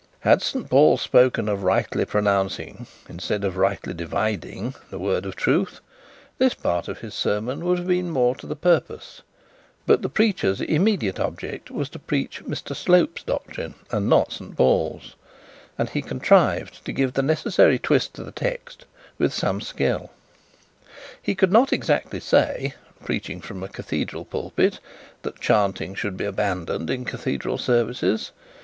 Had St Paul spoken of rightly pronouncing instead of rightly dividing the word of truth, this part of his sermon would have been more to the purpose; but the preacher's immediate object was to preach Mr Slope's doctrine, and not St Paul's, and he contrived to give the necessary twist to the text with some skill. He could not exactly say, preaching from a cathedral pulpit, that chanting should be abandoned in cathedral services.